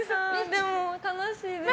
でも悲しいです。